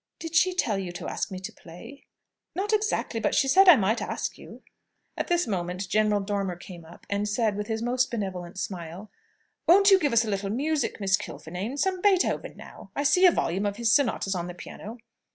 "Did she tell you to ask me to play?" "Not exactly. But she said I might ask you." At this moment General Dormer came up, and said, with his most benevolent smile, "Won't you give us a little music, Miss Kilfinane? Some Beethoven, now! I see a volume of his sonatas on the piano."